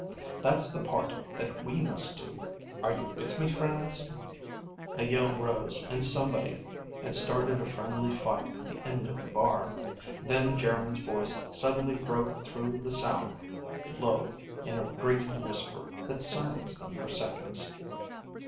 That's the part that we must do. Are you with me, friends?" A yell rose, and somebody had started a friendly fight at the end of the bar. Then Geryn's voice suddenly broke through the sound, low, in a grating whisper that silenced them for seconds.